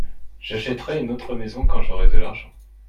J'achèterai une autre maison quand j'aurai de l'argent.